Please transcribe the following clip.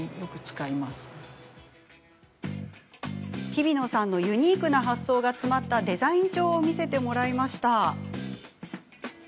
ひびのさんのユニークな発想が詰まったデザイン帳を見せてもらいました。